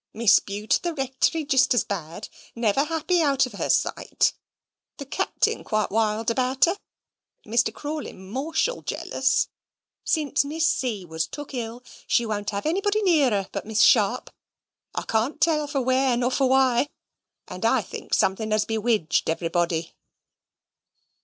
Mrs. Bute at the Rectory jist as bad never happy out of her sight. The Capting quite wild about her. Mr. Crawley mortial jealous. Since Miss C. was took ill, she won't have nobody near her but Miss Sharp, I can't tell for where nor for why; and I think somethink has bewidged everybody."